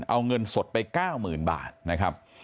เอาเงินสดไป๙๐๐๐บาทนะครับ